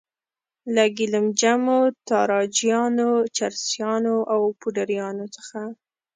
له ګیلم جمو، تاراجیانو، چرسیانو او پوډریانو څخه.